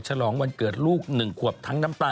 ฉลองวันเกิดลูก๑ขวบทั้งน้ำตา